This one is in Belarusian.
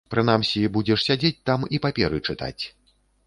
Прынамсі, будзеш сядзець там і паперы чытаць.